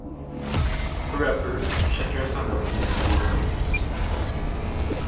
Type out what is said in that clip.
Peu à peu, chacun s’endormit d’un lourd sommeil.